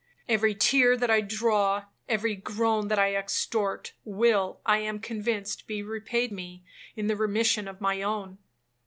Every tear that I draw, every groan that I extort, will, I am convinced, be repaid me in the remission of my own!